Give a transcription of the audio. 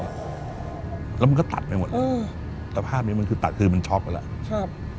แล้วมันก็ตัดไปหมดเลยสภาพเนี้ยมันคือตัดคือมันช็อกไปแล้วครับ